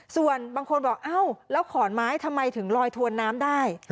ส่วนบางคนบอกเอ้าแล้วขอนไม้ทำไมถึงลอยถวนน้ำได้